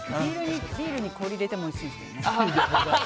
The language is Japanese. ビールに氷入れてもおいしいですけどね。